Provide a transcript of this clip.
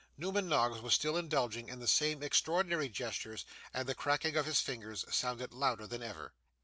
Newman Noggs was still indulging in the same extraordinary gestures, and the cracking of his fingers sounded louder that ever.